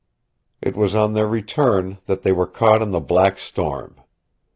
It was on their return that they were caught in the Black Storm.